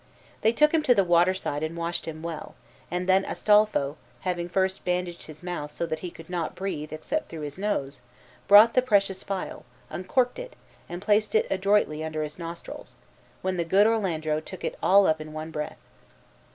They took him to the water side and washed him well, and then Astolpho, having first bandaged his mouth so that he could not breathe except through his nose, brought the precious phial, uncorked it, and placed it adroitly under his nostrils, when the good Orlando took it all up in one breath.